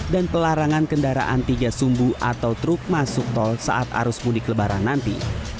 dan pelarangan kendaraan tiga sumbu atau truk masuk tol saat arus mudik lebaran nanti